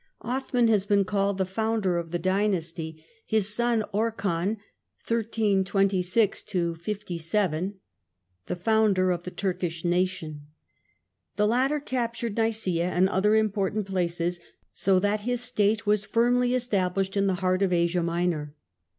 Othman has been called the founder of the dynasty : Suitan his son Orchan the founder of the Turkish nation. The 1326 57' latter captured Nicaea and other important places, so that his state was firmly established in the heart of Asia Minor.